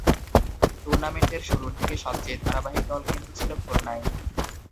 টুর্নামেন্টের শুরুর দিকে সবচেয়ে ধারাবাহিক দল কিন্তু ছিল খুলনাই।